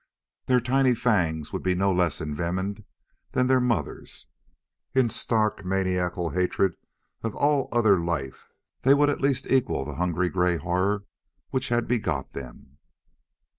Their tiny fangs would be no less envenomed than their mother's. In stark, maniacal hatred of all other life they would at least equal the huge gray horror which had begot them.